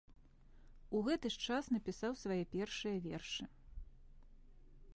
У гэты ж час напісаў свае першыя вершы.